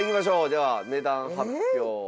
では値段発表